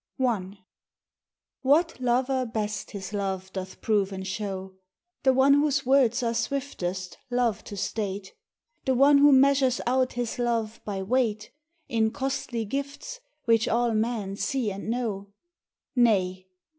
1877. I. _What lover best his love doth prove and show? The one whose words are swiftest, love to state? The one who measures out his love by weight In costly gifts which all men see and know? Nay!